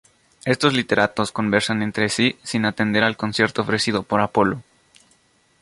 Estos literatos conversan entre sí sin atender al concierto ofrecido por Apolo.